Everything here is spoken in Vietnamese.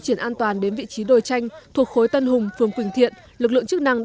triển an toàn đến vị trí đồi tranh thuộc khối tân hùng phường quỳnh thiện lực lượng chức năng